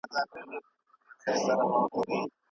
د پرښتو په وړاندې د علم بريا وه.